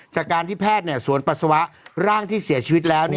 จากการที่แพทย์สวนปัสสาวะร่างที่เสียชีวิตแล้ว